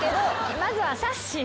まずはさっしー。